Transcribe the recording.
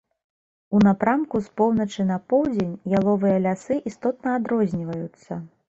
У напрамку з поўначы на поўдзень яловыя лясы істотна адрозніваюцца.